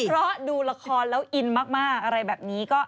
เพราะดูละครแล้วอินมากอะไรแบบนี้